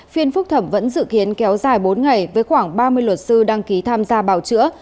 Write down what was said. phiên phúc thẩm vẫn dự kiến kéo dài bốn ngày với khoảng ba mươi luật sư đăng ký tham gia bào chữa